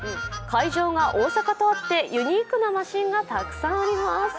会場が大阪とあってユニークなマシンがたくさんあります。